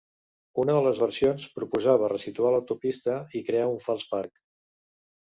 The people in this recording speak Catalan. Una de les versions proposava ressituar l'autopista i crear un fals parc.